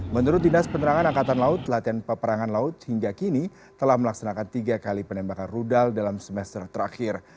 menurut dinas penerangan angkatan laut latihan peperangan laut hingga kini telah melaksanakan tiga kali penembakan rudal dalam semester terakhir